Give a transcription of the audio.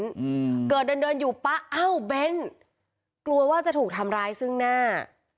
อืมเกิดเดินเดินอยู่ป๊ะอ้าวเบ้นกลัวว่าจะถูกทำร้ายซึ่งหน้า